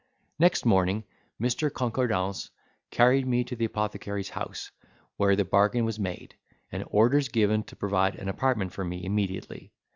Next morning Mr. Concordance carried me to the apothecary's house, where the bargain was made, and orders given to provide an apartment for me immediately.